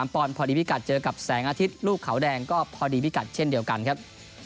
ปอนดพอดีพิกัดเจอกับแสงอาทิตย์ลูกเขาแดงก็พอดีพิกัดเช่นเดียวกันครับ